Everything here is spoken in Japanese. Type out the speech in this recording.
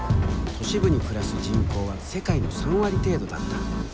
都市部に暮らす人口は世界の３割程度だった。